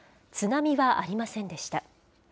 津波はありませんでした。